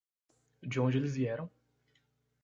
De onde eles vieram?